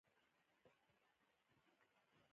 هندوکش د افغانستان د اقتصادي منابعو ارزښت زیاتوي.